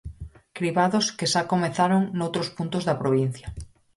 Cribados que xa comezaron noutros puntos da provincia.